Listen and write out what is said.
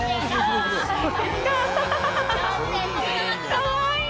かわいい！